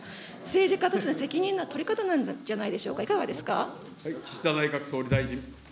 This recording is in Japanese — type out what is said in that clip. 政治家としての責任の取り方なんじゃないでしょうか、いかがです岸田内閣総理大臣。